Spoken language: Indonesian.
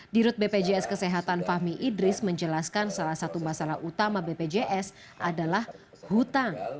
dirut bpjs kesehatan fahmi idris menjelaskan salah satu masalah utama bpjs adalah hutang